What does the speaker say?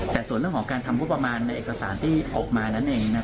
แต่ส่วนเรื่องของการทำงบประมาณในเอกสารที่ออกมานั่นเอง